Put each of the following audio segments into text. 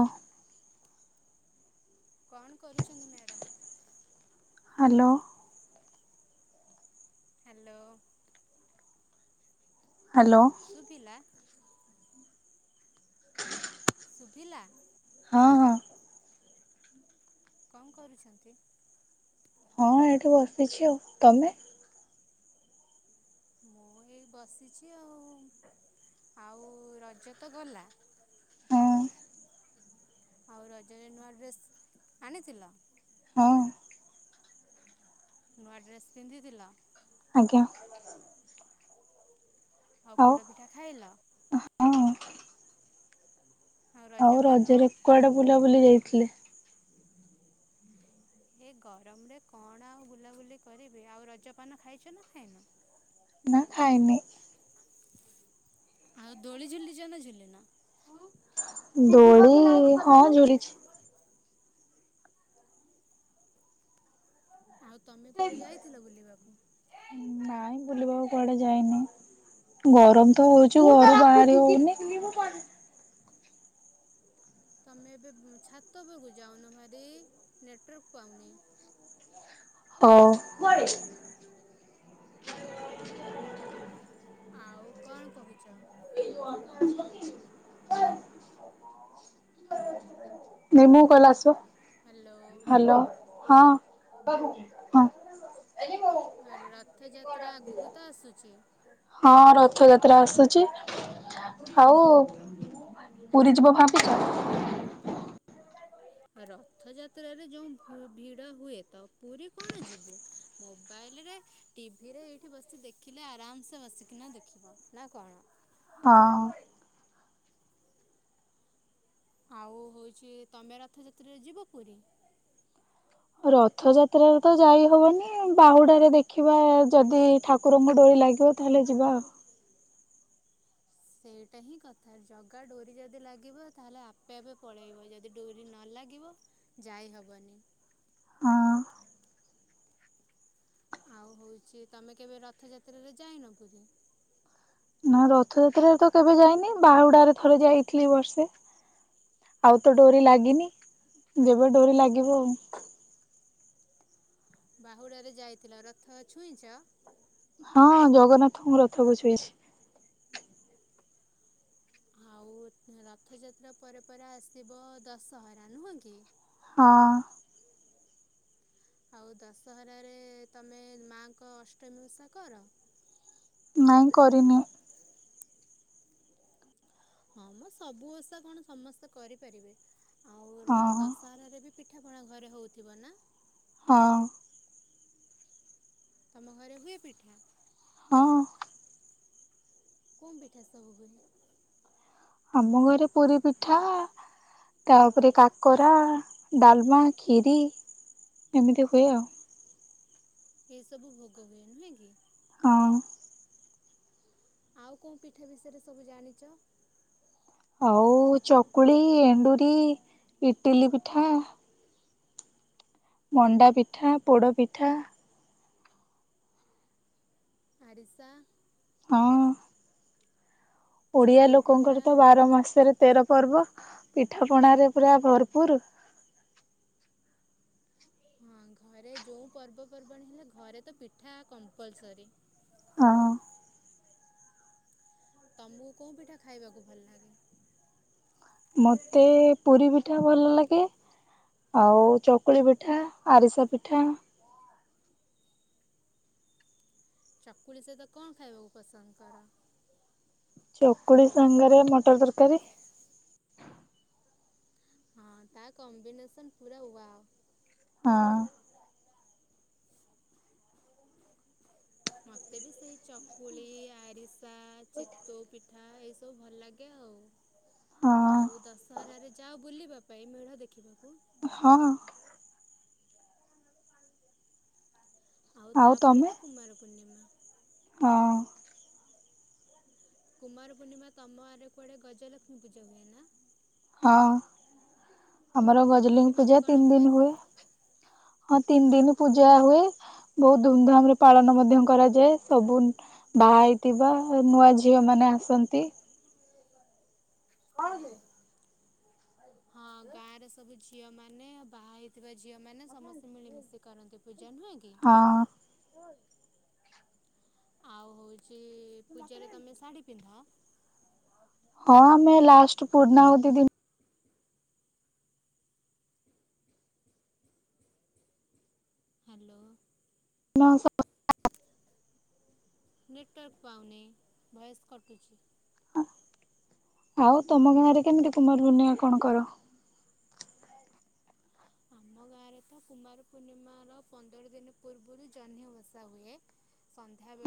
ଓ କଣ କରୁଛନ୍ତି madam? Hello. Hello hello. ସୁଵିଲା ଶୁଭିିଲା ହଁ ହଁ କଣ କରୁଛନ୍ତି? ହଁ ଏଇଠି ବସିଛି ଆଉ ତମେ ମୁଁ ଏଇ ବସିଛି ଆଉ ଆଉ ରଜ ତ ଗଲା ହଁ ଆଉ ରଜରେ ନୂଆ ଡ୍ରେସ୍ ଆଣିଥିଲ। ହଁ। ନୂଆଡ୍ରେସ ପିନ୍ଧିଥିଲ ଆଜ୍ଞା ଆଉ ପୋଡ ପିଠା ଖାଇଲ। ହଁ ଆଉ ରଜରେ କୁଆଡେ ବୁଲାବୁଲି ଯାଇଛି ଯାଇଥିଲି ଏ ଗରମ ରେ କଣ ଆଉ ବୁଲାବୁଲି କରିବି ଆଉ ରଜପାନ ଖାଇଛ ନା ଖାଇନ ନା ଖାଇନି ଆଉ ଦୋଳି ଝୁଲିଛ ନା ଝୁଲିନ ଦୋଳି ହଁ ଝୁରିଛି ଆଉ ତମେ କୁଆଡେ ଯାଇଥିଲ ବୁଲିବାକୁ। ନାଇଁ କୁଆଡେ ଯାଇନି ଗରମ ତ ହଉଛି ଘରୁ ବାହାରି ହଉନି ତମେ ଏବେ ଛାତ ଉପକୁ ଯାଉନ ଭାରି ନେଟୱାର୍କ ପାଉନି ହଉ [inaudible] ଆଉ କଣ କହୁଛ? [unintelligible] ନିମୁ କହିଲ ଆସିବ ହ୍ୟାଲୋ ହ୍ୟାଲୋ ହଁ ହଁ। ଆରେ ରଥ ଯାତ୍ରା ଆଗକୁ ତ ଆସୁଛି ହଁ ରଥଯାତ୍ରା ଆସୁଛି ଆଉ-ଉ-ଉ ପୁରୀ ଯିବ ଭାବୁଛ--ଭାବୁଛ? ରଥଯାତ୍ରାରେ ଯୋଉ ଭୁ ଭିଡ଼ ହୁଏ ତ ପୁରୀ କଣ ଯିବୁ। ମୋବାଇଲରେ, ଟିଭିରେ ଏଇଠି ବସି ଦେଖିଲେ ଆରାମସେ ବସିକିନା ଦେଖିବ ନା କଣ ହଁ। ଆଉ ହଉଛି ତମେ ରଥ ଯାତ୍ରା ଯିବ ପୁରୀ? ରଥଯାତ୍ରାରେ ତ ଯାଇ ହବନି। ବାହୁଡାରେ ଦେଖିବା ଯଦି ଠାକୁରଙ୍କୁ ଡୋଳି ଲାଗିବ ତାହେଲେ ଯିବା। ସେଇଟା ହିଁ କଥା ଜଗା ଡୋରି ଯଦି ଲାଗିବ ତାହେଲେ ଆପେ ଆପେ ପଳେଇବ। ଯଦି ଡୋରି ନ ଲାଗିବ ଯାଇ ହବନି। ଆଉ ଆଉ ହଉଛି ତମେ କେବେ ରଥଯାତ୍ରାରେ ଯାଇନ ପୁରୀ? ହଁ ନା ରଥଯାତ୍ରାରେ ତ କେବେ ଯାଇନି ବାହୁଡାରେ ଥରେ ଯାଇଥିଲି ବର୍ଷେ। ଆଉ ତ ଡୋରି ଲାଗିନି। ଯେବେ ଡୋରି ଲାଗିବ। ବାହୁଡାରେ ଯାଇଥିଲ ରଥ ଛୁଇଁଛ? ହଁ ଜଗନ୍ନାଥଙ୍କୁ ରଥକୁ ଛୁଇଁଛି। ଆଉ ରଥଯାତ୍ରା ପରେ ପରେ ଆସିବ ଦଶହରା ନୁହଁ କି? ହଁ। ଆଉ ଦଶହରାରେ ତମେ ମାଙ୍କ ଅଷ୍ଟମୀ ଓଷା କର? ନାଇଁ କରିନି। ହଁ ମଁ ସବୁ ଓଷା କଣ ସମସ୍ତେ କରିପାରିବେ। ଆଉ ର ହଁ ଦଶହରାରେ ବି ପିଠା ପଣା ଘରେ ହେଉଥିବ ନା? ହଁ। ତମ ଘରେ ହୁଏ ପିଠା? ହଁ। କୋଉ ପିଠା ସବୁ ହୁଏ? ଆମ ଘରେ ପୁରୀ ପିଠା-ଆ-ଆ, ତାପରେ କାକରା, ଡାଲମା, ଖିରି ଏମିତି ହୁଏ ଆଉ। ଏ ସବୁ ଭୋଗ ହୁଏ ନୁହେଁ କି? ହଁ। ଆଉ କୋଉ ପିଠା ବିଷୟରେ ସବୁ ଜାଣିଛ? ଆଉ ଚକୁଳି, ଏଣ୍ଡୁରି, ଇଟିଲି ପିଠା ମଣ୍ଡା ପିଠା, ପୋଡ ପିଠା ଆରିଶା ହଁ। ଓଡିଆ ଚିତଉ ପିଠା ଲୋକଙ୍କର ତ ବାର ମାସରେ ତେର ପର୍ବ। ପିଠା ପଣାରେ ପୁରା ଭରପୁର। ହଁ ଘରେ ଯୋଉ ପର୍ବପର୍ବାଣୀ ହେଲେ ଘରେ ତ ପିଠା କମ୍ପଲସରି। ହଁ। ତମକୁ କୋଉ ପିଠା ଖାଇବାକୁ ଭଲ ଲାଗେ? ମୋତେ ପୁରୀ ପିଠା ଭଲ ଲାଗେ। ଆଉ ଚକୁଳି ପିଠା, ଆରିସା ପିଠା। ଚକୁଳି ସହିତ କଣ ଖାଇବାକୁ ପସନ୍ଦ କର? ଚକୁଳି ସାଙ୍ଗରେ ମଟର ତରକାରୀ। ହଁ ତା କମ୍ବିନେସନ ପୁରା ୱାଓ। ହଁ। ମତେ ବି ସେଇ ଚକୁଳି-ଇ-ଇ, ଆରିସ୍ ସା ଚିତ୍ତୋଉ ପିଠା ଏସ ସବୁ ଭଲ ଲାଗେ ଆଉ ହଁ ଆଉ ଦଶହରାରେ ଯାଅ ବୁଲିବା ପାଇଁ ମେଢ ଦେଖିବାକୁ? ହଁ। ଆଉ ତାପରେ ତ କୁମାର ପୂର୍ଣ୍ଣିମା। ହଁ। କୁମାର ପୂର୍ଣ୍ଣିମା ତମ ଆଡେ କୁଆଡେ ଗଜଲକ୍ଷ୍ମୀ ପୂଜା ହୁଏ ନା? ହଁ। ଆମର ଗଜଲିଙ୍ଗ କେମିତି ପୂଜା କଣ ତିନି ଦିନ ହୁଏ। ହଁ ତିନି ଦିନ ପୂଜା ହୁଏ ବହୁତ ଧୁମଧାମ ରେ ପାଳନ ମଧ୍ୟ କରାଯାଏ ସବୁ ବାହା ହେଇଥିବା ନୂଆ ଝିଅ ମାନେ ଆସନ୍ତି। କଣ ଦେ? ହଁ ଗାଁ ର ସବୁ ଝିଅ ମାନେ ବା ହେଇ ଥିବା ଝିଅ ମାନେ ସମସ୍ତେ ମିଳିମିଶି କରନ୍ତି ପୁଜା ନୁହଁ କି? ହଁ ଯେ ପୂଜାରେ ତମେ ଶାଢ଼ୀ ପିନ୍ଧ? ହଁ ଆମେ ଲାଷ୍ଟ ପୁରୁଣା ଆଉ ଦି ଦିନ ହ୍ୟାଲୋ। ନ ସ [unintelligible] ନେଟୱାର୍କ ପାଉନି ଭଏସ କଟୁଛି। ଆଉ ତମ ଗାଁରେ କେମିତି କୁମାର ପୂର୍ଣ୍ଣିମା କଣ କର। ଆମ ଗାଁରେ ତ କୁମାର ପୂର୍ଣ୍ଣିମାର ପନ୍ଦର ଦିନ ପୂର୍ବରୁ ଜହ୍ନି ଓଷା ହୁଏ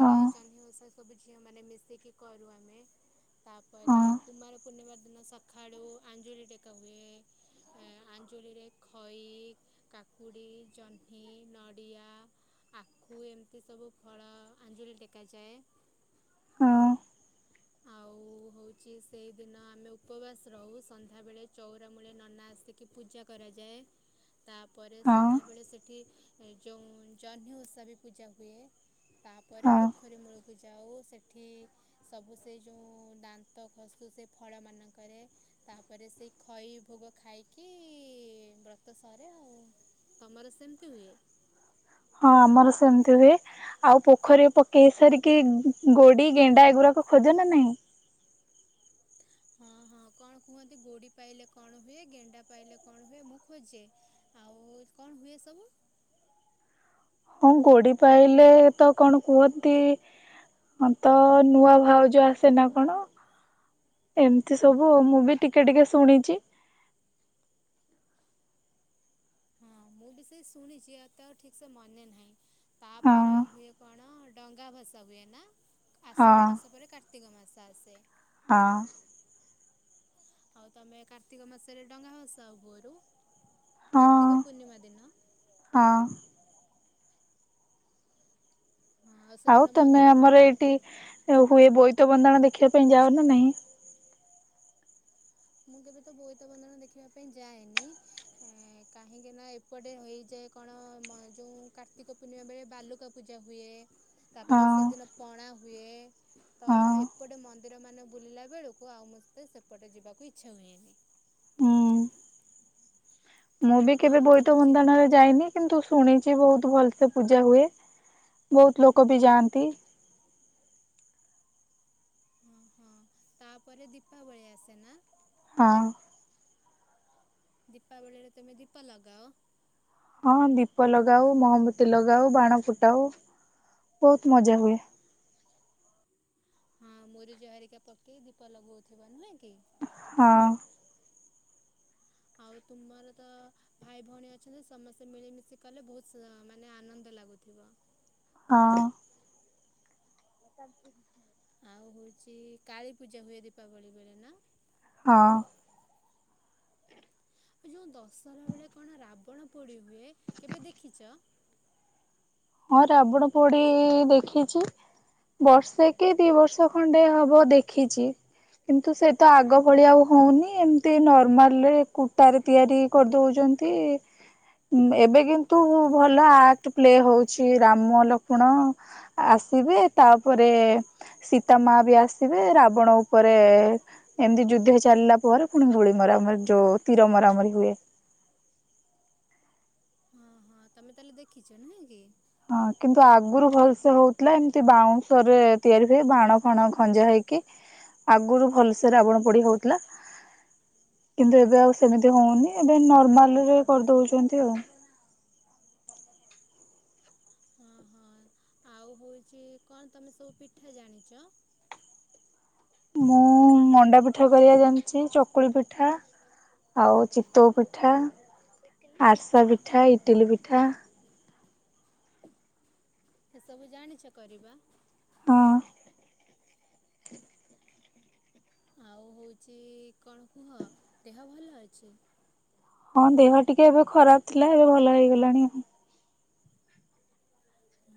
ହଁ ଜହ୍ନି ଓଷା ସବୁ ଝିଅମାନେ ମିଶିକି କରୁ ଆମେ ହଁ ତାପରେ କୁମାର ପୂର୍ଣ୍ଣିମାର ଦିନ ସକାଳୁ ଆଞ୍ଜୁଳି ଟେକା ହୁଏ ଆଞ୍ଜୁଳିରେ ଖଇ, କାକୁଡ଼ି, ଜହ୍ନି, ନଡ଼ିଆ, ଆଖୁ ଏମିତି ସବୁ ଫଳ ଆଞ୍ଜୁଳି ଟେକାଯାଏ। ହଁ ଆଉ ହଉଛି ସେଇଦିନ ଆମେ ଉପବାସ ରହୁ ସନ୍ଧ୍ୟାବେଳେ ଚଉର ମୂଳେ ନନା ଆସିକି ପୂଜା କରାଯାଏ। ତାପରେ ହଁ ସନ୍ଧ୍ୟାବେଳେ ସେଠି ଏ ଯେଉଁ ଜହ୍ନି ଓଷା ବି ପୂଜା ହୁଏ ତାପରେ ହଁ ପୋଖରୀ ମୂଳକୁ ଯାଉ ସେଠି ସବୁ ସେ ଯେଉଁ ଦାନ୍ତ ଖସୁ ସେ ଫଳ ମାନଙ୍କରେ ତାପରେ ସେଇ ଖଇ ଭୋଗ ଖାଇକି ବ୍ରତ ସରେ ଆଉ ତମର ସେମିତି ହୁଏ ହଁ ଆମର ସେମିତି ହୁଏ ଆଉ ପୋଖରୀରେ ପକେଇ ସାରିକି ଗୋଡି ଗେଣ୍ଡା ଏଗୁଡାକ ଖୋଜ ନା ନାଇଁ ହଁ ହଁ କଣ କୁହନ୍ତି ଗୋଡି ପାଇଲେ କଣ ହୁଏ ଗେଣ୍ଡା ପାଇଲେ କଣ ହୁଏ ମୁଁ ଖୋଜେ ଆଉ କଣ ହୁଏ ସବୁ ହଁ ଗୋଡି ପାଇଲେ ତ କଣ କୁହନ୍ତି ତ ନୂଆ ଭାଉଜୋଉ ଆସେନା କଣ ଏମିତି ସବୁ ମୁଁ ବି ଟିକେ ଟିକେ ଶୁଣିଛି। ହଁ ମୁଁ ବି ସେଇ ଶୁଣିଛି ଏତେ ଆଉ ଠିକ ସେ ମନେ ନାହିଁ ତାପରେ ହଁ ହୁଏ କଣ ଡଙ୍ଗା ଭସା ହୁଏ ନା ହଁ ଅଶ୍ୱିନ ମାସ ପରେ କାର୍ତ୍ତିକ ମାସ। ଆସେ ହଁ ଆଉ ତମେ କାର୍ତ୍ତିକ ମାସରେ ଡଙ୍ଗା ଭସା ଭୋଅରୁ ହଁ କାର୍ତ୍ତିକ ପୂର୍ଣ୍ଣିମା ଦିନ ହଁ ହଁ ସେଦିନ ଆଉ ତମେ ମନ୍ଦିର ଆମର ବୁଲ। ଏଇଠି ହୁଏ ବଇ ବୋଇତ ବନ୍ଦାଣ ଦେଖିବା ପାଇଁ ଯାଉ ନା ନାହିଁ। ମୁଁ କେବେ ତ ବୋଇତ ବନ୍ଦନ ଦେଖିବା ପାଇଁ ଯାଏନି ଏ କାହିଁକି ନା ଏପଟେ ହେଇଯାଏ କଣ ଯୋଉ କାର୍ତ୍ତିକ ପୂର୍ଣ୍ଣିମା ବେଳେ ବାଲୁକା ପୂଜା ହୁଏ। ହଁ ତାପରେ ସେଦିନ ପଣା ହୁଏ ତ ହଁ ଏପଟେ ମନ୍ଦିର ମାନେ ବୁଲିଲା ବେଳକୁ ଆଉ ମସ୍ତେ ସେପଟେ ଯିବାକୁ ଇ ଇଛା ହୁଏନି ହୁଁ ମୁଁ ବି କେବେ ଆଉ ବୋଇଦ ହେଉଛି ମନ୍ଦାଣରେ ଯାଇନି କିନ୍ତୁ ଶୁଣିଛି ବହୁତ ଭଲ ସେ ପୂଜା ହୁଏ। ବହୁତ ଲୋକ ବି ଯାଆନ୍ତି। ଅ ହଁ ତାପରେ ଦୀପାବଳି ଆସେ ନା ହଁ। ଦୀପାବଳିରେ ତମେ ଦୀପ ଲଗାଅ ହଁ ଦୀପ ଲଗାଉ ମହମବତି ଲଗାଉ ବାଣ ଫୁଟାଉ ବହୁତ ମଜା ହୁଏ। ହଁ ମୁରୁଜ ହେରିକା ପକେଇ ଦୀପ ଲଗଉଥିବ ନୁହେଁ କି? ହଁ। ଆଉ ତୁମର ତ ଭାଇ ଭଉଣୀ ଅଛନ୍ତି ସମସ୍ତେ ମିଳିମିଶି କଲେ ବହୁତ ମାନେ ଆନନ୍ଦ ଲାଗୁଥିବ। ହଁ। ଏକାଠି ଆଉ ହଉଛି କାଳୀ ପୂଜା ହୁଏ। ଦୀପାବଳି ବେଳେ ନା ହଁ। ଆଉ ଯୋଉ ଦଶହରା ବେଳେ କଣ ରାବଣ ପୋଡି ହୁଏ କେବେ ଦେଖିଚ? ହଁ ରାବଣ ପୋଡି ଦେଖିଛି। ବର୍ଷେ କି ଦି ବର୍ଷ ଖଣ୍ଡେ ହବ ଦେଖିଛି। କିନ୍ତୁ ସେ ତ ଆଗ ଭଳି ଆଉ ହଉନି ଏମିତି ନର୍ମାଲରେ କୁଟା ରେ ତିଆରି କରିଦଉଛନ୍ତି। ଏବେ କିନ୍ତୁ ଭଲ ଆର୍ଟ ପ୍ଲେ ହଉଛି। ଛି ରାମ ଲକ୍ଷ୍ମଣ ଆସିବେ ତାପରେ ସୀତା ମା ବି ଆସିବେ ରାବଣ ଉପରେ ଏମିତି ଯୁଦ୍ଧ ଚାଲିଲା ପରେ ପୁଣି ଗୁଳି ମରାମରି ଯୋଉ ତୀର ମରାମରି ହୁଏ। ହଁ ହଁ ତମେ ତାହେଲେ ଦେଖିଛ ନାହିଁ କି? ହଁ କିନ୍ତୁ ଆଗରୁ ଭଲସେ ହଉଥିଲା। ଏମିତି ବାଉଁଶରେ ତିଆରି ହୁଏ ବାଣ ଫାଣ ଖଞ୍ଜା ହେଇକି ଆଗୁରୁ ଭଲସେ ରାବଣ ପୋଡି ହଉଥିଲା। କିନ୍ତୁ ଏବେ ଆଉ ସେମିତି ହଉନି ଏବେ ନର୍ମାଲ ରେ କରିଦଉଛନ୍ତି ଆଉ। ହଁ ହଁ ଆଉ ହଉଛି କଣ ତମେ ସବୁ ପିଠା ଜାଣିଛ? ମୁଁ ମଣ୍ଡା ପିଠା କରିବା ଜାଣିଛି। ଚକୁଳି ପିଠା ଆଉ ଚିତଉ, ପିଠା ଆରିସା, ପିଠା ଇଟିଲି ପିଠା ଏସବୁ ଜାଣିଛ କରିବା? ହଁ। ଆଉ ହଉଛି କଣ କୁହ ଦେହ ଭଲ ଅଛି। ହଁ ଦେହ ଟିକେ ଏବେ ଖରାପ ଥିଲା ଏବେ ଭଲ ହେଇଗଲାଣି।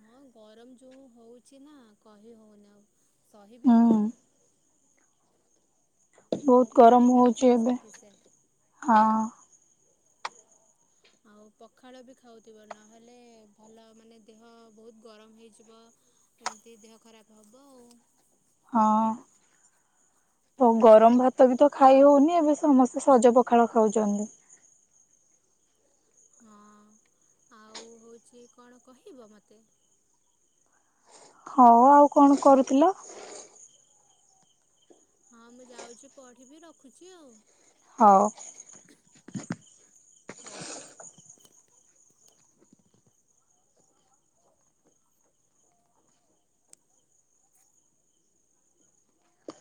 ହଁ ଗରମ ଯୋଉ ହଉଛି ନା କହି ହଉନି ଆଉ। ସହି ବି ହୁଁ ହଉନି। ଆଉ ବୋହୁତ ପାଣି ଗରମ ହଉଛି ପିଉଥିବ ଏବେ ସଫିସିଏଣ୍ଟ ହଁ। ଆଉ ପଖାଳ ବି ଖାଉଥିବ। ନହେଲେ ଭଲ ମାନେ ଦେହ ବହୁତ ଗରମ ହେଇଯିବ ଏମିତି ଦେହ ଖରାପ ହେବ ଆଉ। ହଁ, କୋଉ ଗରମ ଭାତ ଭାତ ବି ତ ଆଉ ଖାଇ ଆଉ ହଉନି ଏବେ ସମସ୍ତେ ସଜ ପଖାଳ ଖାଉଛନ୍ତି। ହଁ ଆଉ ହଉଛି କଣ କହିବ ମତେ? ହଉ ଆଉ କଣ କରୁଥିଲ? ହଁ ମୁଁ ଯାଉଛି ପଢିବି ରଖୁଛି ଆଉ। ହଉ। ହଉ।